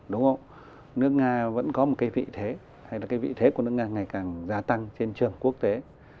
đúng không nước nga vẫn có một cái vị thế hay là cái vị thế của nước nga ngày càng gia tăng trên trường quốc tế